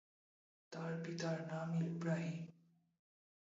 তার পিতার নাম ইব্রাহিম।